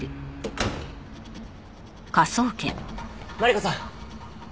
マリコさん。